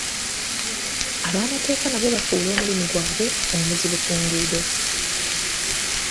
Ab'amateeka nabo bafuula omulimu gwaabwe omuzibu ku nguudo.